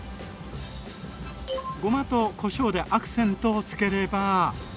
ごまとこしょうでアクセントをつければ。